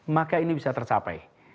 maka ini bisa tercapai